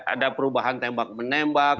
ada perubahan tembak menembak